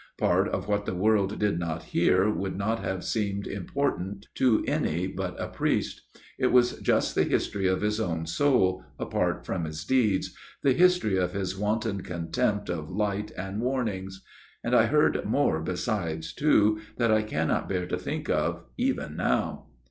Part of what t^e world did not hear would not have seemed important to any but a priest ; it was just the history of his own soul, apart from his deeds, the history of his wanton contempt of light and warnings. And I heard more besides too, that I cannot bear to think of even now."